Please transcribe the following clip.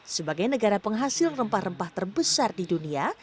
sebagai negara penghasil rempah rempah terbesar di dunia